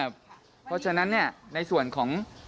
เพราะฉะนั้นในส่วนของ